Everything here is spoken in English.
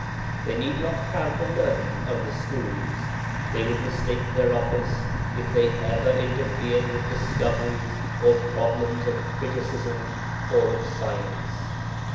They need not have the learning of the schools. They would mistake their office if they ever interfered with discoveries or problems of criticism or of science.